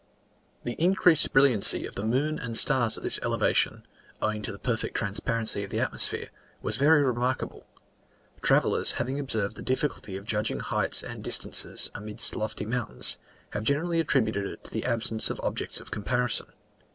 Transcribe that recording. The increased brilliancy of the moon and stars at this elevation, owing to the perfect transparency of the atmosphere, was very remarkable. Travelers having observed the difficulty of judging heights and distances amidst lofty mountains, have generally attributed it to the absence of objects of comparison.